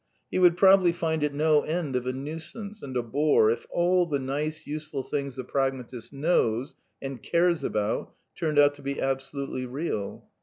He would probably find it no end of a nuisance and a bore if all the nice^ useful things the pragmatist knows and cares about turned out to be " absolutely real."